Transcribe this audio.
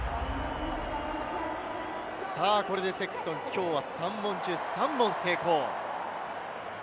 これでセクストン、きょうは３本中３本成功。